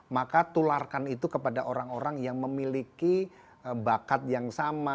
maka tularkan itu kepada orang orang yang memiliki bakat yang sama